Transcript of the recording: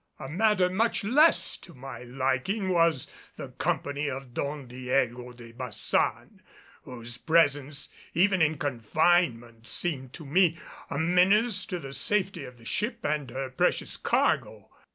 A matter much less to my liking was the company of Don Diego de Baçan, whose presence even in confinement seemed to me a menace to the safety of the ship and her precious cargo.